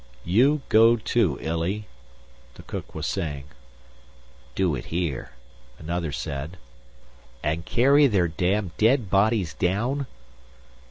"You go too, Illy," the cook was saying. "Do it here," another said. "And carry their damn dead bodies down?"